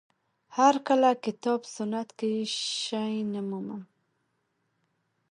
هر کله کتاب سنت کې شی نه مومم